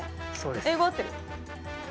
英語合ってる？